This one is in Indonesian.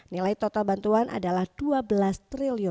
nilai total bantuan adalah rp dua belas triliun